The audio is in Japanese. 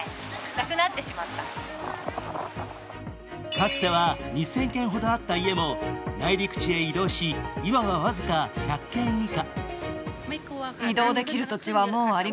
かつては２０００軒ほどあった家も内陸地へ移動し、今は僅か１００軒以下。